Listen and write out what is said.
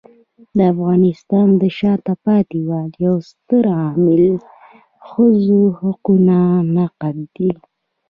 د افغانستان د شاته پاتې والي یو ستر عامل ښځو حقونو نقض دی.